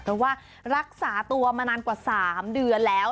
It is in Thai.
เพราะว่ารักษาตัวมานานกว่า๓เดือนแล้ว